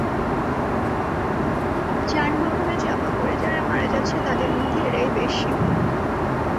যানবাহনে চাপা পড়ে যারা মারা যাচ্ছে, তাদের মধ্যে এরাই বেশি।